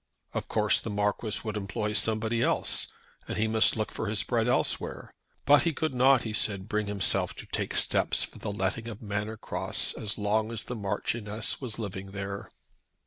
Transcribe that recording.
Of course the Marquis would employ someone else, and he must look for his bread elsewhere. But he could not, he said, bring himself to take steps for the letting of Manor Cross as long as the Marchioness was living there.